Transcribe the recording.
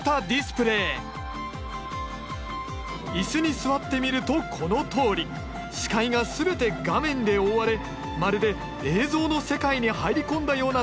椅子に座ってみるとこのとおり視界が全て画面で覆われまるで映像の世界に入り込んだような体験ができるんだ。